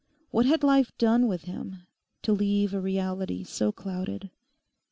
What had life done with him to leave a reality so clouded?